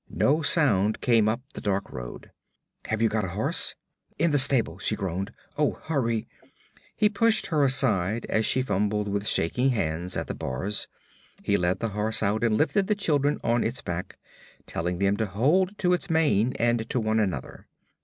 No sound came up the dark road. 'Have you got a horse?' 'In the stable,' she groaned. 'Oh, hurry!' He pushed her aside as she fumbled with shaking hands at the bars. He led the horse out and lifted the children on its back, telling them to hold to its mane and to one another.